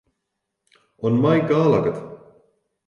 An mbeidh gal agat?